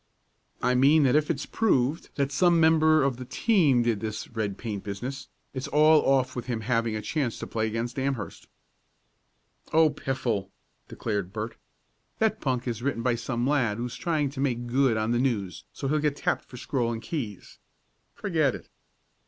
"I mean that if it's proved that some member of the team did this red paint business it's all off with him having a chance to play against Amherst." "Oh, piffle!" declared Bert. "That punk is written by some lad who's trying to make good on the News so he'll get tapped for Scroll and Keys. Forget it."